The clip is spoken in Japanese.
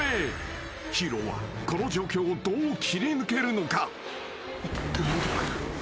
［ヒーローはこの状況をどう切り抜けるのか？］